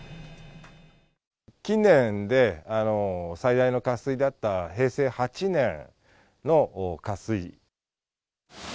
近年で最大の渇水であった平成８年の渇水。